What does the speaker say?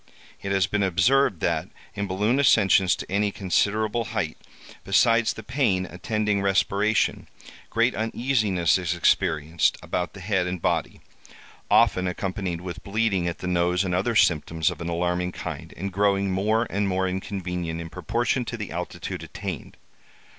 It has been observed, that, in balloon ascensions to any considerable height, besides the pain attending respiration, great uneasiness is experienced about the head and body, often accompanied with bleeding at the nose, and other symptoms of an alarming kind, and growing more and more inconvenient in proportion to the altitude attained.